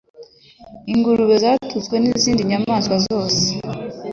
Ingurube zatutswe n’izindi nyamaswa zose